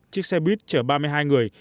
chiếc xe buýt chở ba mươi hai người